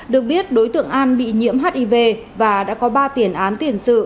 được biết đối tượng an bị nhiễm hiv và đã có ba tiền án tiền sự